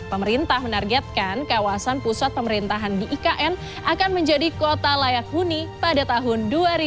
pemerintah menargetkan kawasan pusat pemerintahan di ikn akan menjadi kota layak huni pada tahun dua ribu dua puluh